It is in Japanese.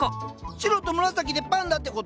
白と紫でパンダって事？